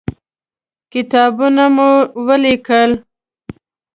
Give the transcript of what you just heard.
کتابونه مې ولیکل.